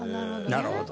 なるほど。